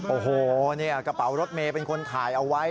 โอ้โหเนี่ยกระเป๋ารถเมย์เป็นคนถ่ายเอาไว้